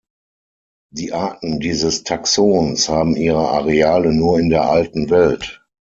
Die Arten dieses Taxons haben ihre Areale nur in der Alten Welt.